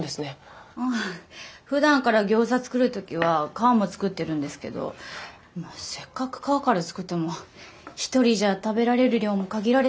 ふだんから餃子作る時は皮も作ってるんですけどせっかく皮から作っても一人じゃ食べられる量も限られてるじゃないですか。